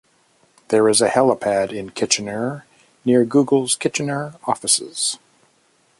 There is a helipad in Kitchener near Google's Kitchener offices.